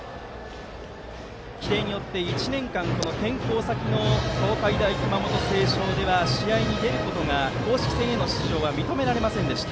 規定によって１年間転校先の東海大熊本星翔では試合に出ること公式戦への出場は認められませんでした。